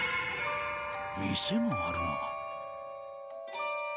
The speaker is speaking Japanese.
店があるな。